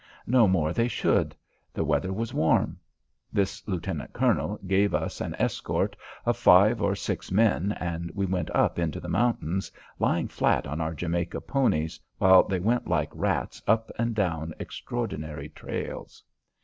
No more they should; the weather was warm. This lieutenant colonel gave us an escort of five or six men and we went up into the mountains, lying flat on our Jamaica ponies while they went like rats up and down extraordinary trails.